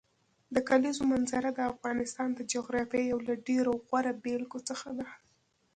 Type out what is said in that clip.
د کلیزو منظره د افغانستان د جغرافیې یو له ډېرو غوره بېلګو څخه ده.